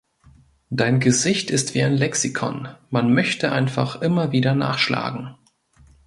Dein Gesicht ist wie ein Lexikon, man möchte einfach immer wieder nachschlagen.